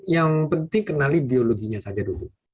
yang penting kenali biologinya saja dulu